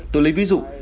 tôi lấy ví dụ